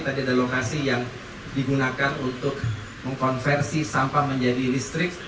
tadi ada lokasi yang digunakan untuk mengkonversi sampah menjadi listrik